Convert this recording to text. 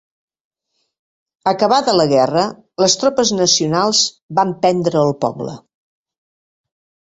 Acabada la guerra, les tropes nacionals van prendre el poble.